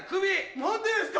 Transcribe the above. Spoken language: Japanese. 何でですか！